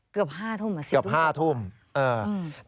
เกือบ๕ทุ่มเหรอครับสิทธิ์ตู้เย็นเหรอครับเกือบ๕ทุ่ม